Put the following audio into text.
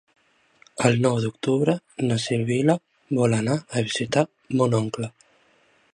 El nou d'octubre na Sibil·la vol anar a visitar mon oncle.